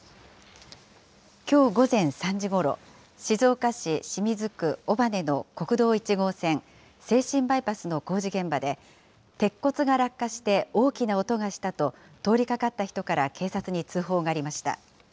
きょう午前３時ごろ、静岡市清水区尾羽の国道１号線、静清バイパスの工事現場で、鉄骨が落下して大きな音がしたと、通りかかった人から警察に通報がありました。